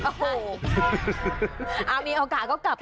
โอ้โหอ่ามีโอกาสก็กลับค่ะ